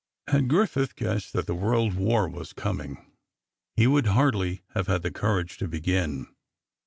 Had Griffith guessed that the World War was coming, he would hardly have had the courage to begin.